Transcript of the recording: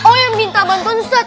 oh iya minta bantuan ustadz